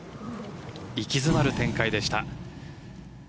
息詰まる展開でした。